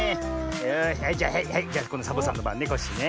よしはいじゃあはいはいこんどサボさんのばんねコッシーね。